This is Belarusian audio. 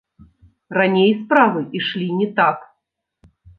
Раней справы ішлі не так.